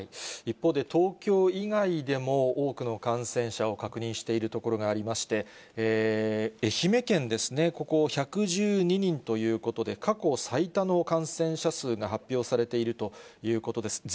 一方で、東京以外でも、多くの感染者を確認している所がありまして、愛媛県ですね、ここ、１１２人ということで、過去最多の感染者数が発表されているということです。